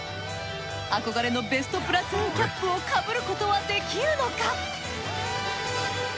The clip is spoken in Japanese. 憧れのベストプラトゥーンキャップを被ることはできるのか？